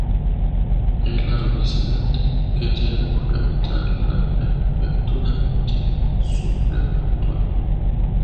El "arrondissement" que tiene por capital la prefectura no tiene subprefectura.